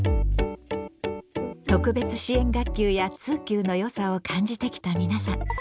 特別支援学級や通級の良さを感じてきた皆さん。